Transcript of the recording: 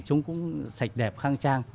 trông cũng sạch đẹp khang trang